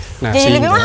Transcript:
jadi lebih mahal